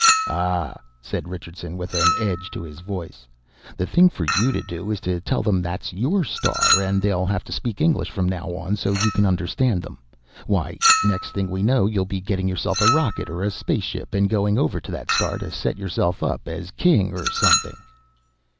"Ah," said Richardson with an edge to his voice, "the thing for you to do is to tell them that's your star, and they'll have to speak English from now on, so you can understand them. Why, next thing we know, you'll be getting yourself a rocket or a space ship and going over to that star to set yourself up as king or something."